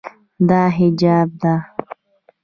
دا حجاب ده.